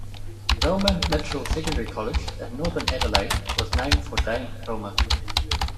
Roma Mitchell Secondary College in northern Adelaide was named for Dame Roma.